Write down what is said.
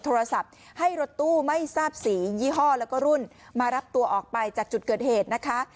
โทรศัพท์ให้รถตู้ไม่ทราบสียี่ห้อแล้วก็รุ่นมารับตัวออกไปจากจุดเกิดเหตุนะคะ